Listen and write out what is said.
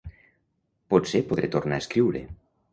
Potser podré tornar a escriure.